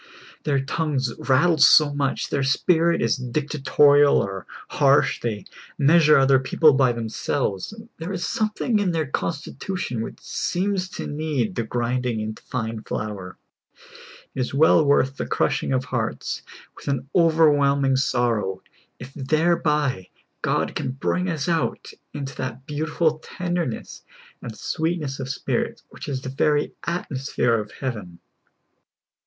Their tongues rattle so much, their spirit is dictatorial or harsh, they measure other people by themselves ; there is something in their constitution which seems to need the grinding into fine flour. It is well worth the crushing of hearts with an over whelming sorrow, if thereb}^ God can bring us out into that beautiful tenderness and sweetness of spirit which is the very atmosphere of heaven.